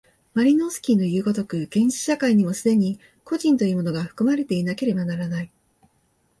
マリノースキイのいう如く、原始社会にも既に個人というものが含まれていなければならない。